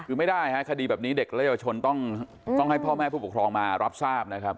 คือไม่ได้ฮะคดีแบบนี้เด็กและเยาวชนต้องให้พ่อแม่ผู้ปกครองมารับทราบนะครับ